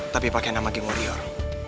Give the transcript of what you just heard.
tapi pake nama geng warrior